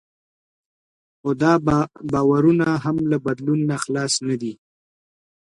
خو دا باورونه هم له بدلون نه خلاص نه دي.